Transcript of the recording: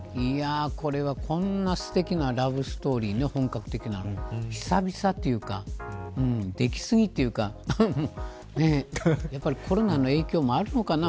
こんなすてきなラブストーリー、本格的な久々というか出来すぎというかやっぱりコロナの影響もあるのかな。